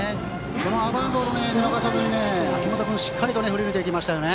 その甘いところを見逃さずにしっかりと振り抜いて行きました。